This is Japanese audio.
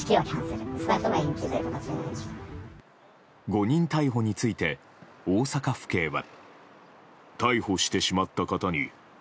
誤認逮捕について大阪府警は。